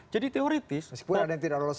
jadi teoritis masih pun ada yang tidak lolos